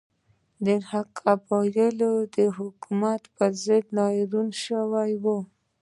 قبایل د حکومت پر ضد راولاړ شوي وو.